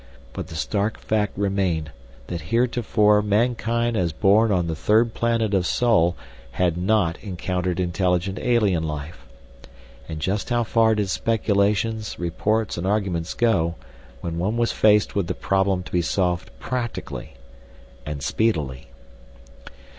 But the stark fact remained that heretofore mankind as born on the third planet of Sol had not encountered intelligent alien life. And just how far did speculations, reports, and arguments go when one was faced with the problem to be solved practically and speedily?